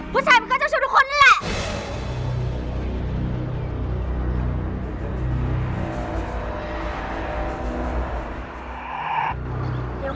ผู้ชายมันก็เจ้าชุดทุกคนนั่นแหละ